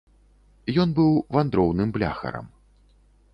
Ён быў вандроўным бляхарам.